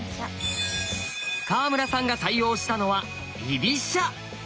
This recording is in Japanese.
川村さんが採用したのは居飛車。